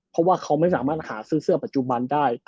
เพราะว่าเขาไม่สามารถหาซื้อเสื้อปัจจุบันได้